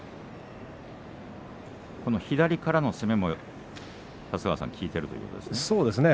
左からの攻めも効いているということですね。